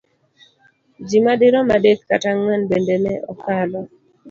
Ji madirom adek kata ang'wen bende ne okalo.